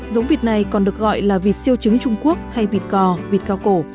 giống vịt này còn được gọi là vịt siêu trứng trung quốc hay vịt cò vịt cao cổ